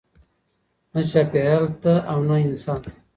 نه چاپیریال ته او نه انسان ته.